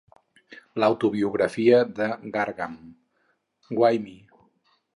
L'autobiografia de Gargan, Why Me?